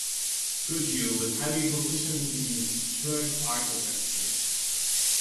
Goodhue was highly proficient in church architecture.